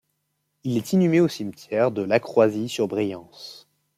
Il est inhumé au cimetière de La Croisille-sur-Briance.